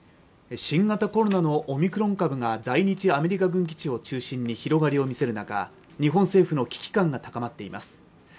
新型コロナのオミクロン株が在日アメリカ軍基地を中心に広がりを見せる中日本政府の危機感が高まっています